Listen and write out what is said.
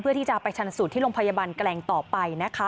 เพื่อที่จะไปชันสูตรที่โรงพยาบาลแกลงต่อไปนะคะ